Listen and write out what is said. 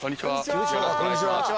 よろしくお願いします